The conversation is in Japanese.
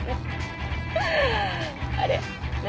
あれ？